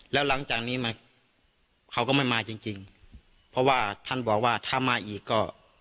แล้วหลังจากนี้มาเขาก็ไม่มาจริงจริงเพราะว่าท่านบอกว่าถ้ามาอีกก็